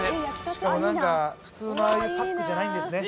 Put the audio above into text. しかも何か普通のああいうパックじゃないんですね